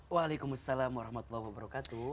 waalaikumsalam warahmatullahi wabarakatuh